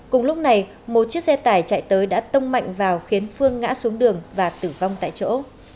cùng lúc này một chiếc xe tải chạy tới đã tông mạnh vào khiến phương ngã xuống đường và tử vong tại chỗ